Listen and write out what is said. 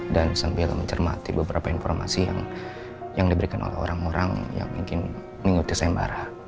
dan sambil mencermati beberapa informasi yang diberikan oleh orang orang yang ingin mengikuti saya mbah ara